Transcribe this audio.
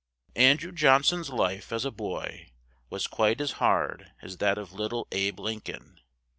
An drew John son's life as a boy was quite as hard as that of lit tle "Abe" Lin coln.